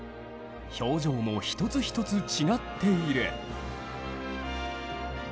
表情も一つ一つ違っている。